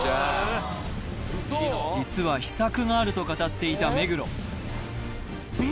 実は秘策があると語っていた目黒